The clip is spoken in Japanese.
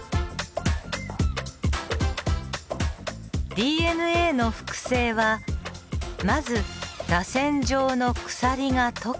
ＤＮＡの複製はまずらせん状の鎖が解け。